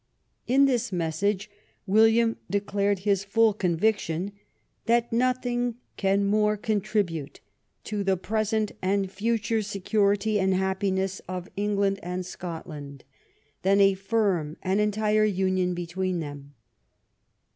In this message William declared his full conviction *' that nothin^ic can more contribute to the present and future security and hap piness of England and Scotland than a firm and en tire union between them.